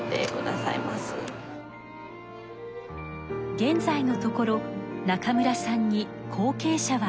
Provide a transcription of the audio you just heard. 現在のところ中村さんに後けい者はいません。